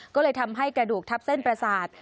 ก็เลยทำให้กระดูกทับเส้นประสาท